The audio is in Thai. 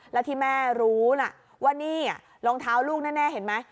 แล้วที่แม่รู้นะว่านี่รองเท้าลูกแน่เห็นไหม